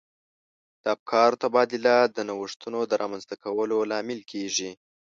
د افکارو تبادله د نوښتونو د رامنځته کولو لامل کیږي.